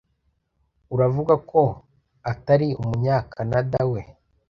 Uravuga ko atari Umunyakanaweda?